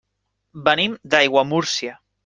Venim d'Aiguamúrcia.